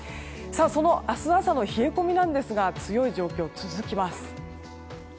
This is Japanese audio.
その明日朝の冷え込みなんですが強い状況が続きます。